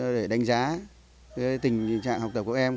để đánh giá tình trạng học tập của các em